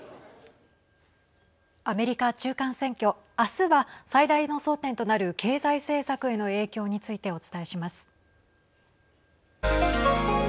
アメリカ中間選挙明日は最大の争点となる経済政策への影響についてお伝えします。